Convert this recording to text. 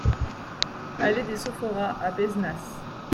Allée des Sophoras à Pézenas